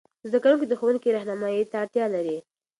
زده کوونکي د ښوونکې رهنمايي ته اړتیا لري.